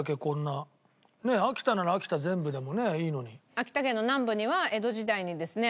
秋田県の南部には江戸時代にですね